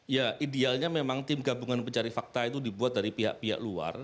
ya idealnya memang tim gabungan pencari fakta itu dibuat dari pihak pihak luar